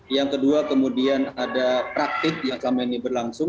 yang kedua kemudian ada praktik yang kami berlangsung